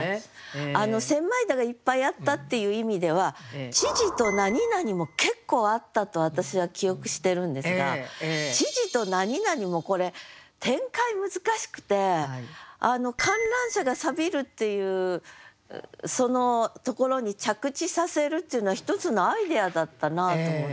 あの「千枚田」がいっぱいあったっていう意味では「千々となになに」も結構あったと私は記憶してるんですが「千々となになに」もこれ展開難しくて観覧車が錆びるっていうそのところに着地させるっていうのは一つのアイデアだったなと思って。